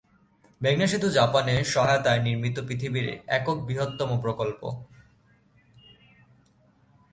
মেঘনা সেতু জাপানের সহায়তায় নির্মিত পৃথিবীর একক বৃহত্তম প্রকল্প।